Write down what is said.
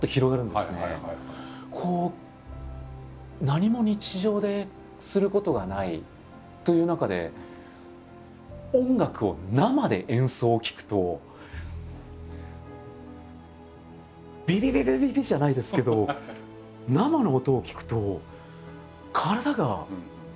何も日常ですることがないという中で音楽を生で演奏を聴くとビビビビビビ！じゃないですけどと強く感じましたね。